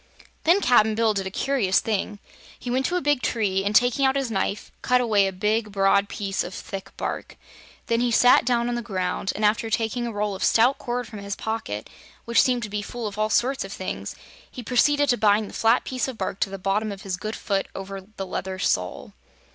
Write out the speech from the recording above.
Then Cap'n Bill did a curious thing. He went to a big tree and, taking out his knife, cut away a big, broad piece of thick bark. Then he sat down on the ground and after taking a roll of stout cord from his pocket which seemed to be full of all sorts of things he proceeded to bind the flat piece of bark to the bottom of his good foot, over the leather sole.